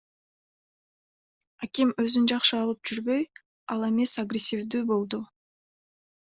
Аким өзүн жакшы алып жүрбөй, ал эмес агрессивдүү болду.